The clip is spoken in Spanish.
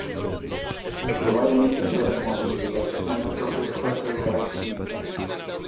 Probablemente fuera con anterioridad una torre fuerte de carácter militar.